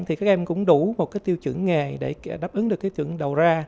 thì các em cũng đủ một cái tiêu chuẩn nghề để đáp ứng được cái chuẩn đầu ra